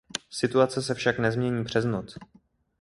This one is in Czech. Situace se však nezmění přes noc.